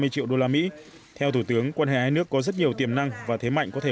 ba mươi triệu đô la mỹ theo thủ tướng quan hệ hai nước có rất nhiều tiềm năng và thế mạnh có thể